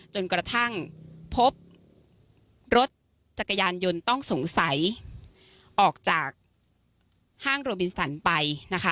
จนกระทั่งพบรถจักรยานยนต์ต้องสงสัยออกจากห้างโรบินสันไปนะคะ